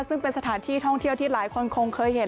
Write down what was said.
ซึ่งเป็นสถานที่ท่องเที่ยวที่หลายคนคงเคยเห็น